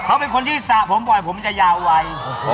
เขาเป็นคนที่สระผมบ่อยผมจะยาวไว